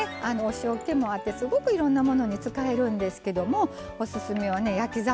塩っ気もあってすごくいろんなものに使えるんですけどもオススメはね焼き魚。